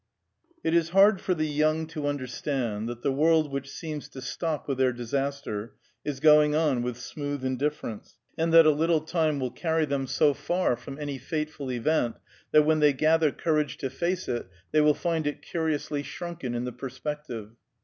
It is hard for the young to understand that the world which seems to stop with their disaster is going on with smooth indifference, and that a little time will carry them so far from any fateful event that when they gather courage to face it they will find it curiously shrunken in the perspective.